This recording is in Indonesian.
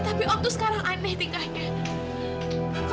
tapi om tuh sekarang aneh tingkahnya